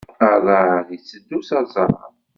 Aḍar yetteddu s aẓar.